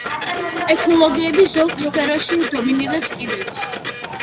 ტექნოლოგიები ზოგ სფეროში დომინირებს კიდეც.